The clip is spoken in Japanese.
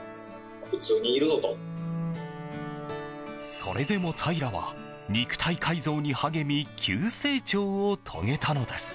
それでも平良は肉体改造に励み急成長を遂げたのです。